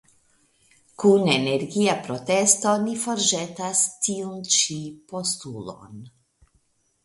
Kun energia protesto ni forĵetas tiun ĉi postulon.